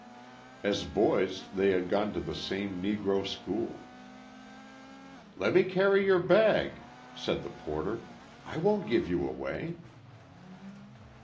As boys they had gone to the same Negro school. "Let me carry your bag," said the porter, "I won't give you away."